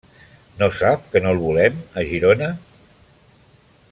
No sap que no el volem a Girona?